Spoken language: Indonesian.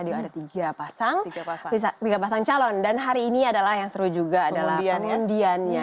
dia ada tiga pasang tiga pasang calon dan hari ini adalah yang seru juga adalah